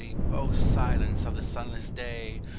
O silence of the sunless day